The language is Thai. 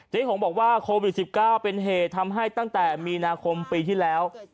หงบอกว่าโควิด๑๙เป็นเหตุทำให้ตั้งแต่มีนาคมปีที่แล้ว